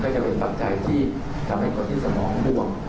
จะเป็นปัจจัยที่ทำให้คนที่สมองบวม